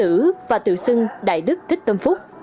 tên tử và tự xương đại đức thích tâm phúc